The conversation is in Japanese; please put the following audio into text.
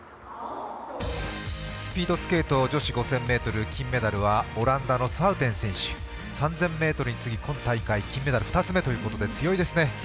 スピードスケート女子５０００ｍ金メダルはオランダのスハウテン選手３０００ｍに次ぎ、今大会金メダル２つ目と強いですね。